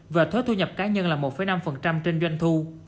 về thuế thu nhập cá nhân là một năm trên doanh thu